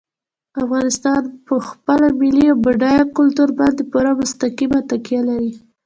افغانستان په خپل ملي او بډایه کلتور باندې پوره او مستقیمه تکیه لري.